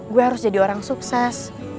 gue harus jadi orang sukses